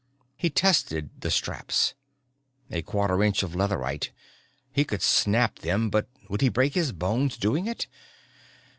He tested the straps. A quarter inch of leatherite he could snap them but would he break his bones doing it?